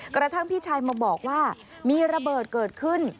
กระทั่งพี่ชายมาบอกว่ามีระเบิดเกิดขึ้น